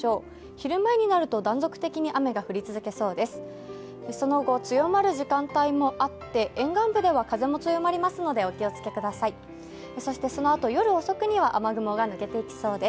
昼前になると断続的に雨が降り続きそうです。